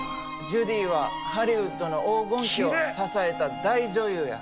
ジュディはハリウッドの黄金期を支えた大女優や。